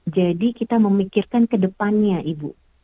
jadi kita memikirkan ke depannya ibu